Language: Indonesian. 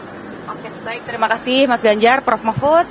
oke baik terima kasih mas ganjar prof mahfud